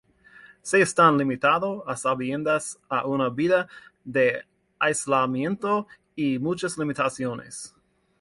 Se están limitando a sabiendas a una vida de aislamiento y muchas limitaciones.